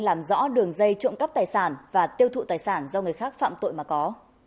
làm rõ đường dây trộm cắp tài sản và tiêu thụ tài sản do người khác phạm tội mà có